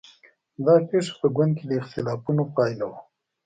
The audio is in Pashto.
دا پېښه په ګوند کې د اختلافونو پایله وه.